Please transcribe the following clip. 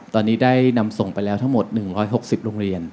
ตอนนี้ได้นำส่งไปแล้วทั้งหมด๑๖๐โรงเรียน